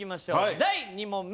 第２問目。